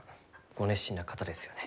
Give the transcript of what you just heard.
ご熱心な方ですよね。